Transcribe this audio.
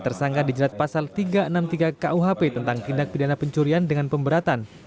penyelamatnya diperlukan dengan pemberatan